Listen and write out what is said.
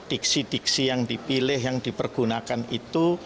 diksi diksi yang dipilih yang dipergunakan itu